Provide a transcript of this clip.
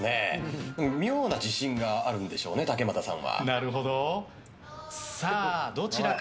妙な自信があるんでしょうね竹俣さんは。